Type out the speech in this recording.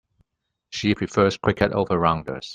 She prefers cricket over rounders.